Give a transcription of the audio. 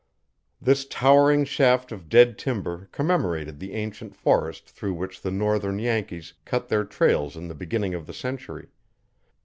This towering shaft of dead timber commemorated the ancient forest through which the northern Yankees cut their trails in the beginning of the century.